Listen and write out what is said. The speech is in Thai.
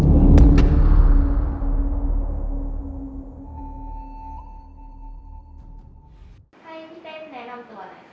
ให้พี่เต้นแนะนำตัวอะไรครับ